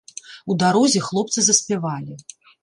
У дарозе хлопцы заспявалі.